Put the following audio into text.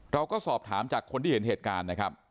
เราก็สอบถามจากคนที่เห็นเหตุการณ์นะครับ